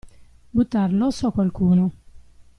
Buttar l'osso a qualcuno.